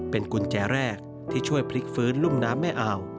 เป็นกุญแจแรกที่ช่วยพลิกฟื้นลุ่มน้ำแม่อ่าว